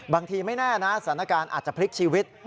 ไม่แน่นะสถานการณ์อาจจะพลิกชีวิต